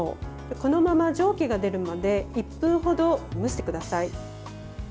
このまま蒸気が出るまで１分ほど蒸してください。